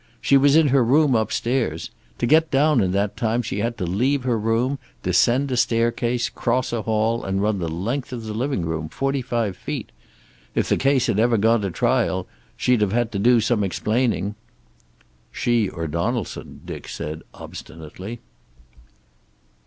She was in her room, upstairs. To get down in that time she had to leave her room, descend a staircase, cross a hall and run the length of the living room, forty five feet. If the case had ever gone to trial she'd have had to do some explaining." "She or Donaldson," Dick said obstinately.